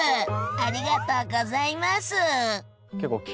ありがとうございます！